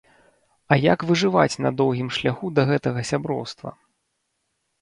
А як выжываць на доўгім шляху да гэтага сяброўства?!